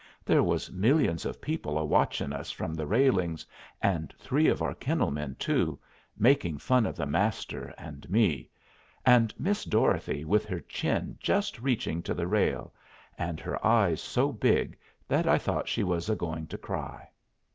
There was millions of people a watching us from the railings, and three of our kennel men, too, making fun of the Master and me, and Miss Dorothy with her chin just reaching to the rail, and her eyes so big that I thought she was a going to cry.